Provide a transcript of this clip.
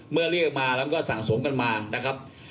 เมื่อเรียกมาแล้วก็สั่งสมกันมา